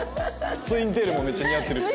ツインテールもめっちゃ似合ってるし。